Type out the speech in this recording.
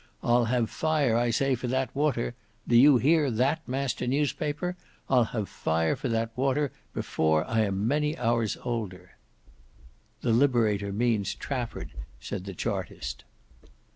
I'll have fire I say for that water—do you hear that Master Newspaper—I'll have fire for that water before I am many hours older." "The Liberator means Trafford," said the Chartist.